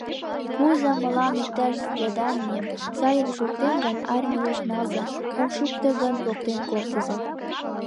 Пуыза мылам иктаж заданийым — сайын шуктем гын, армийыш налза, ом шукто гын, поктен колтыза!